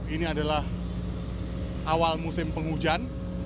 ini adalah awal musim penghujan